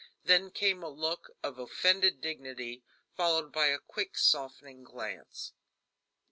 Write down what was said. Then came a look of offended dignity, followed by a quick softening glance.